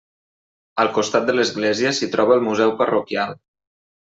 Al costat de l'església s'hi troba el museu parroquial.